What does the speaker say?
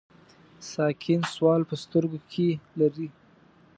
ساکن سوال په سترګو کې لري.